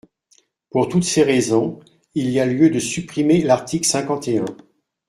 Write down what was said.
Pour toutes ces raisons, il y a lieu de supprimer l’article cinquante et un.